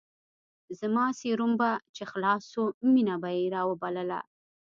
زما سيروم به چې خلاص سو مينه به يې راوبلله.